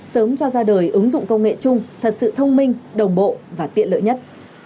sớm cho ra đời ứng dụng công nghệ chung thật sự thông minh đồng bộ và tiện lợi nhất